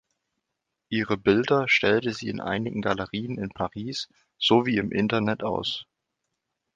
Ihre Bilder stellte sie in einigen Galerien in Paris sowie im Internet aus.